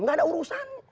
tidak ada urusan